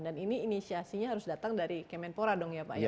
dan ini inisiasinya harus datang dari kemenpora dong ya pak ya